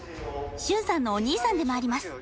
旬さんのお兄さんでもあります